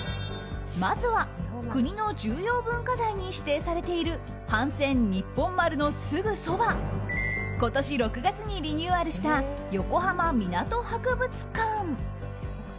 まずは国の重要文化財に指定されている「帆船日本丸」のすぐそば今年６月にリニューアルした横浜みなと博物館。